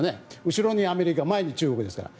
後ろにアメリカ前に中国ですから。